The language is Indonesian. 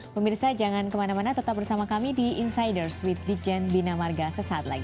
pemirsa jangan kemana mana tetap bersama kami di insiders with di jen bina marga sesaat lagi